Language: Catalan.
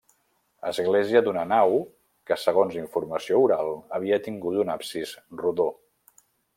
Església d'una nau que segons informació oral, havia tingut un absis rodó.